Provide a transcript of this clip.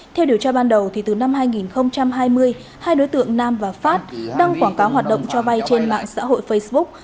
theo điều tra ban đầu từ năm hai nghìn hai mươi hai đối tượng nam và phát đăng quảng cáo hoạt động cho vay trên mạng xã hội facebook